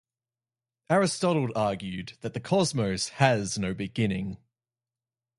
Aristotle argued that the cosmos has no beginning.